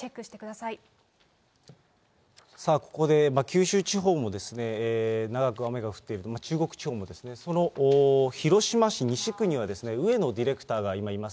さあここで、九州地方も長く雨が降っている、中国地方もですね、その広島市西区には上野ディレクターが今います。